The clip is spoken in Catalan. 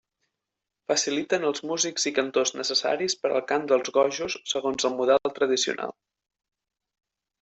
Faciliten els músics i cantors necessaris per al cant dels gojos segons el model tradicional.